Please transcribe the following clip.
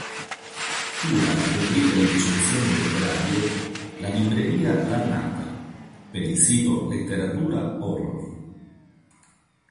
Cura la rubrica di recensioni letterarie "La libreria d’annata" per il sito Letteratura Horror.